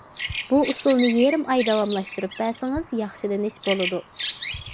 بۇ ئۇسۇلنى يېرىم ئاي داۋاملاشتۇرۇپ بەرسىڭىز ياخشىلىنىش بولىدۇ.